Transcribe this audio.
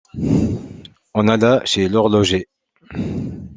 On alla chez l’horloger.